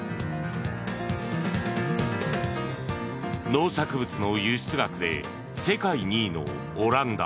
農作物の輸出額で世界２位のオランダ。